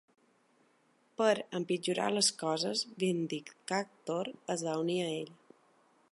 Per empitjorar les coses, Vindicator es va unir a ell.